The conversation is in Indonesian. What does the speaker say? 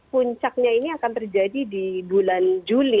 puncaknya ini akan terjadi di bulan juli